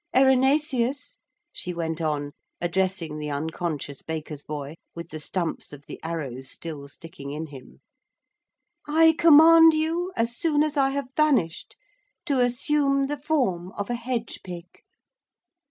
Erinaceus,' she went on, addressing the unconscious baker's boy with the stumps of the arrows still sticking in him, 'I command you, as soon as I have vanished, to assume the form of a hedge pig.